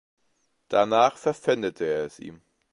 Danach verpfändete er es ihm.